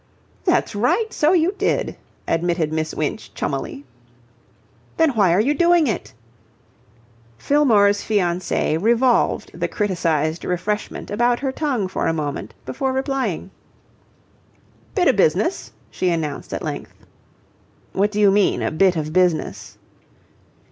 "That's right, so you did," admitted Miss Winch, chummily. "Then why are you doing it?" Fillmore's fiancée revolved the criticized refreshment about her tongue for a moment before replying. "Bit o' business," she announced, at length. "What do you mean, a bit of business?"